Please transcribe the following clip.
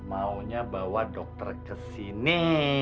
maunya bawa dokter ke sini